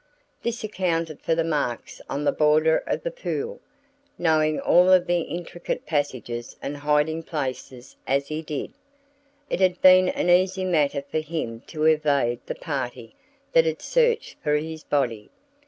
This accounted for the marks on the border of the pool. Knowing all of the intricate passages and hiding places as he did, it had been an easy matter for him to evade the party that had searched for his body.